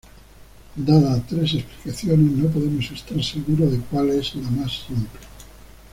Dadas tres explicaciones, no podemos estar seguros de cuál es la más simple.